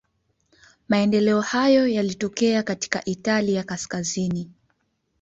Maendeleo hayo yalitokea katika Italia kaskazini.